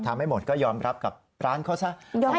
ไม่หมดก็ยอมรับกับร้านเขาซะ